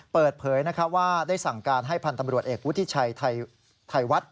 เปิดเผยว่าได้สั่งการให้พันธ์ตำรวจเอกวุฒิชัยไทยวัด